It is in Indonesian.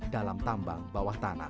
dalam tambang bawah tanah